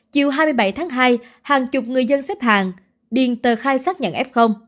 chiều hai mươi bảy tháng hai hàng chục người dân xếp hàng điền tờ khai xác nhận f